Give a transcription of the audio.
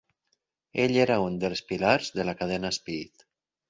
Ell era uns dels pilars de la cadena Speed.